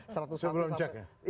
saya belum cek ya